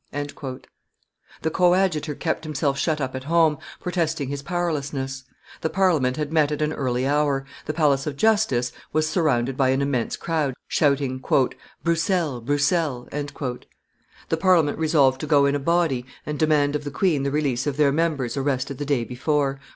'" The coadjutor kept himself shut up at home, protesting his powerlessness; the Parliament had met at an early hour; the Palace of Justice was surrounded by an immense crowd, shouting, "Broussel! Broussel!" The Parliament resolved to go in a body and demand of the queen the release of their members arrested the day before.